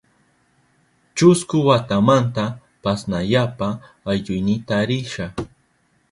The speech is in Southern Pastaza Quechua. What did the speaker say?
Chusku watamanta pasyanapa aylluynita risha.